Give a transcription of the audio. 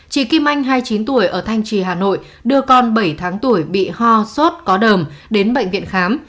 chị kim anh hai mươi chín tuổi ở thanh trì hà nội đưa con bảy tháng tuổi bị ho sốt có đờm đến bệnh viện khám